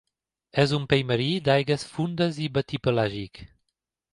És un peix marí, d'aigües fondes i batipelàgic.